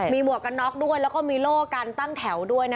มีหมวกกันน็อกด้วยแล้วก็มีโล่การตั้งแถวด้วย